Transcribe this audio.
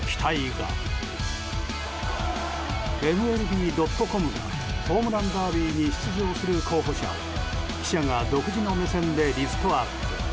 ＭＬＢ．ｃｏｍがホームランダービーに出場する候補者を記者が独自の目線でリストアップ。